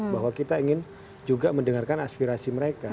bahwa kita ingin juga mendengarkan aspirasi mereka